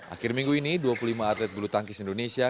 akhir minggu ini dua puluh lima atlet bulu tangkis indonesia